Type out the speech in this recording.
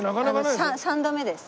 ３度目です